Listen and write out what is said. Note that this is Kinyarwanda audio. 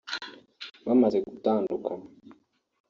Bamaze gutandukana